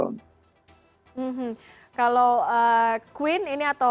kalau queen ini atau